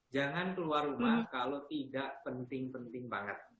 jangan keluar rumah kalau tidak penting penting banget